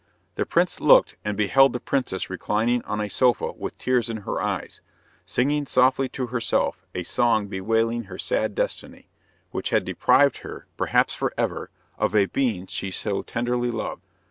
The prince looked, and beheld the princess reclining on a sofa with tears in her eyes, singing softly to herself a song bewailing her sad destiny, which had deprived her, perhaps for ever, of a being she so tenderly loved.